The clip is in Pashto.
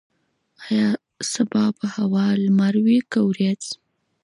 ایا سبا به هوا لمر وي که وریځ؟